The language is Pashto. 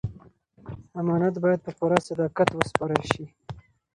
امانت باید په پوره صداقت وسپارل شي.